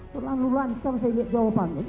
terlalu lancar saya lihat jawabannya